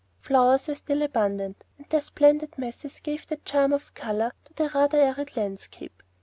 Flowers were still abundant, and their splendid masses gave the charm of color to the rather arid landscape.